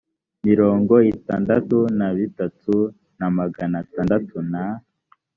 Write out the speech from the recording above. mirongo itandatu na bitatu na magana atandatu na